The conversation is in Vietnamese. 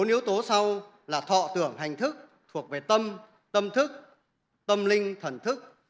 bốn yếu tố sau là thọ tưởng hình thức thuộc về tâm tâm thức tâm linh thần thức